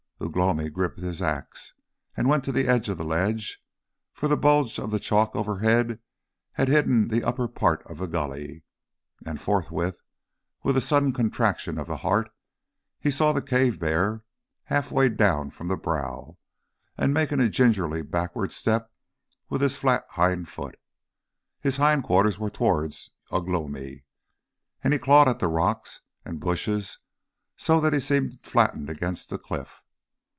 Ugh lomi gripped his axe, and went to the edge of the ledge, for the bulge of the chalk overhead had hidden the upper part of the gully. And forthwith, with a sudden contraction of the heart, he saw the cave bear half way down from the brow, and making a gingerly backward step with his flat hind foot. His hind quarters were towards Ugh lomi, and he clawed at the rocks and bushes so that he seemed flattened against the cliff.